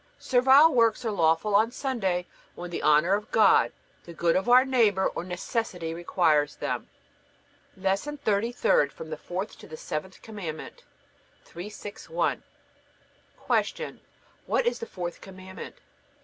Servile works are lawful on Sunday when the honor of God, the good of our neighbor, or necessity requires them. LESSON THIRTY THIRD FROM THE FOURTH TO THE SEVENTH COMMANDMENT 361. Q. What is the fourth Commandment?